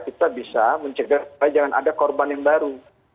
kita bisa mencegah supaya jangan ada korban yang baru